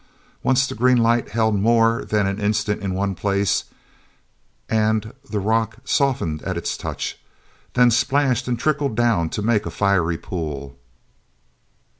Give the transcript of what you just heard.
Once the green light held more than an instant in one place, and the rock softened at its touch, then splashed and trickled down to make a fiery pool.